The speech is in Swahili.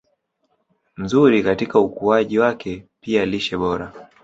nzuri katika ukuaji wake Pia lishe bora